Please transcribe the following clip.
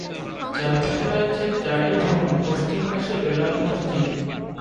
চারপাশে রয়েছে চারটি ভবন পশ্চিম পাশে বেলাল মসজিদ।